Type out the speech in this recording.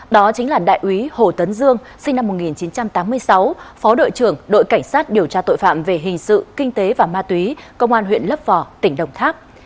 đó chính là đại úy hồ tấn dương sinh năm một nghìn chín trăm tám mươi sáu phó đội trưởng đội cảnh sát điều tra tội phạm về hình sự kinh tế và ma túy công an huyện lấp vò tỉnh đồng tháp